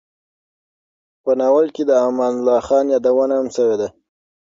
په ناول کې د امان الله خان یادونه هم شوې ده.